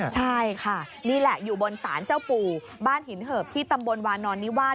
ใช่ค่ะนี่แหละอยู่บนศาลเจ้าปู่บ้านหินเหิบที่ตำบลวานอนนิวาส